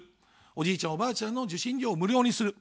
おじいちゃん、おばあちゃんの受信料を無料にする。